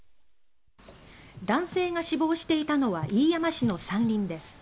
男性が死亡していたのは飯山市の山林です。